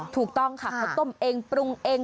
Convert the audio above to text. ถูกต้องค่ะเขาต้มเองปรุงเอง